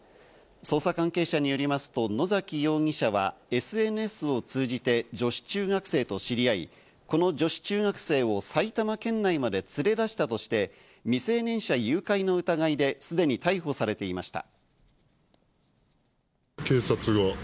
捜査関係者によりますと野崎容疑者はＳＮＳを通じて女子中学生と知り合い、この女子中学生を埼玉県内まで連れ出したとして、未成年者誘拐の疑いですでに逮捕されていました。